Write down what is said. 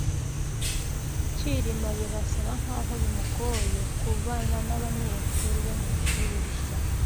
Cyirima birasa nkaho bimugoye kubana nabanyeshuri bo mwishuri rishya.